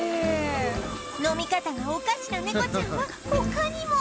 飲み方がおかしな猫ちゃんは他にも